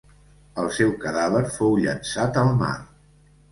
El seu cadàver fou llençat al mar.